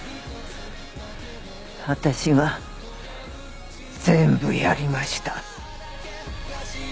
私が全部やりました。